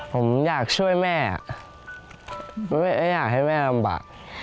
ผมอยากช่วยแม่อยากให้แม่ลำบาก